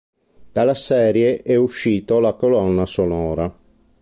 Dalla serie è uscito la colonna sonora